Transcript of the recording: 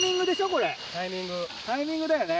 これタイミングだよね。